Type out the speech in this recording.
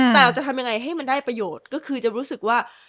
แต่เราจะทำยังไงให้มันได้ประโยชน์ก็คือจะรู้สึกว่า